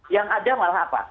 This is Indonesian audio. yang ada malah apa